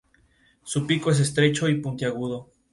Su pico es estrecho y puntiagudo.